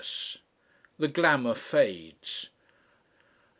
THE GLAMOUR FADES.